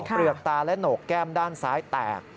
เปลือกตาและโหนกแก้มด้านซ้ายแตก